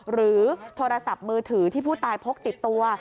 หรือโทรศัพท์มือถือที่ผู้ตายพกติดตัว